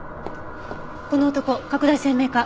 この男拡大鮮明化。